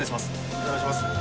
お邪魔します。